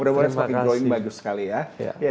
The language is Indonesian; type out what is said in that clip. mudah mudahan semakin growing bagus sekali ya